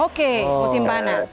oke musim panas